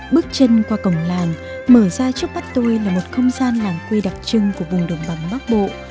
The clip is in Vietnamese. bước chân qua cổng làng mở ra trước mắt tôi là một không gian làng quê đặc trưng của vùng đồng bằng bắc bộ